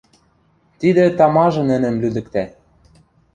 Тидӹ тамажы нӹнӹм лӱдӹктӓ.